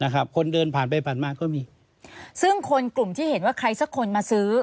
คนเดินผ่านไปผ่านมาก็มีซึ่งคนกลุ่มที่เห็นว่าใครสักคนมาซื้อ